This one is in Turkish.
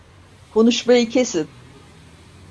Konuşmayı kesin.